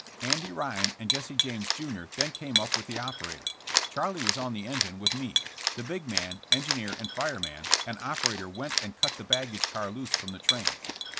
Andy Ryan and Jesse James, jr., then came up with the operator. Charlie was on the engine with me; the big man, engineer and fireman and operator went and cut the baggage car loose from the train.